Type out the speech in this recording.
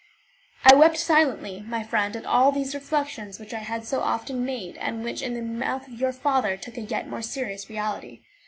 I wept silently, my friend, at all these reflections which I had so often made, and which, in the mouth of your father, took a yet more serious reality.